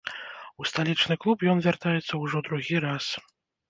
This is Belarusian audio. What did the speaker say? У сталічны клуб ён вяртаецца ўжо другі раз.